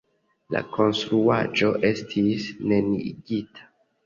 La konstruaĵo estis neniigita.